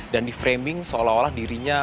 dan di framing seolah olah dirinya